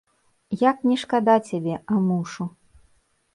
Як не шкада цябе, а мушу.